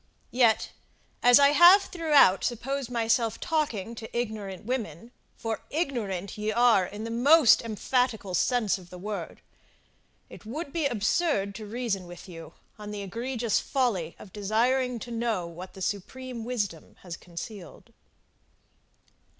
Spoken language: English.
Yet, as I have throughout supposed myself talking to ignorant women, for ignorant ye are in the most emphatical sense of the word, it would be absurd to reason with you on the egregious folly of desiring to know what the Supreme Wisdom has concealed.